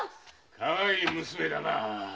かわいい娘だな。